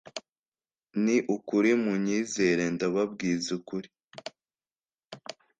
Ni ukuri munyizere ndababwiza ukuri